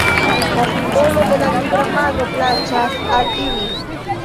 La simbolo de la nigra mano plaĉas al ili.